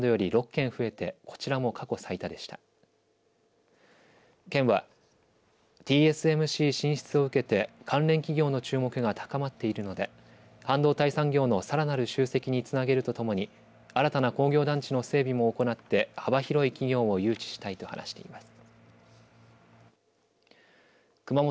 県は、ＴＳＭＣ進出を受けて関連企業の注目が高まっているので半導体産業のさらなる集積につなげるとともに新たな工業団地の整備も行って幅広い企業を誘致したいと話しています。